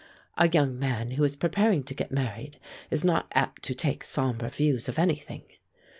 A young man who is preparing to get married is not apt to take somber views of anything.